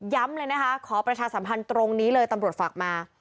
เลยนะคะขอประชาสัมพันธ์ตรงนี้เลยตำรวจฝากมา